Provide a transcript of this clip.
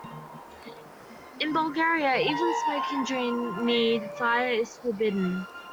In Bulgaria even smoking during need-fire is forbidden.